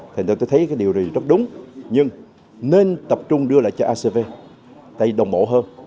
thì tôi thấy cái điều này rất đúng nhưng nên tập trung đưa lại cho acv tay đồng bộ hơn